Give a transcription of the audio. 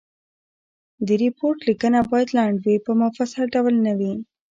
د ریپورټ لیکنه باید لنډ وي په مفصل ډول نه وي.